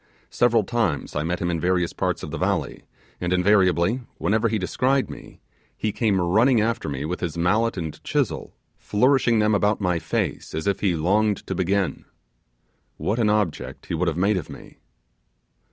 Several times I met him in various parts of the valley, and, invariably, whenever he descried me, he came running after me with his mallet and chisel, flourishing them about my face as if he longed to begin. What an object he would have made of me!